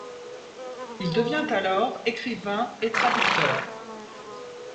Il devient alors écrivain et traducteur.